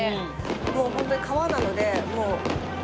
もうホントに川なので。